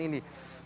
untuk melakukan ini